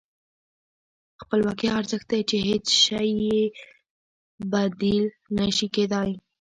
خپلواکي هغه ارزښت دی چې هېڅ شی یې بدیل نه شي کېدای.